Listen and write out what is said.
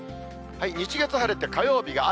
日、月晴れて、火曜日は雨。